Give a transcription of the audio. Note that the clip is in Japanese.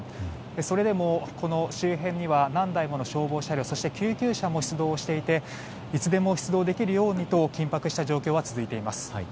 それでも、この周辺には何台もの消防車両そして救急車も出動していていつでも出動できるようにと緊迫した状況が続いています。